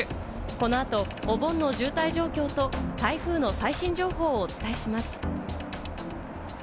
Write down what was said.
この後、お盆の渋滞状況と台風の最新情報をお伝えします。